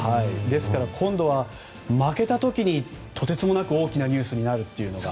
ですから、今度は負けた時にとてつもなく大きなニュースになるというのが。